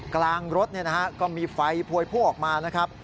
กลางรถก็มีไฟพวยพ่วงออกมา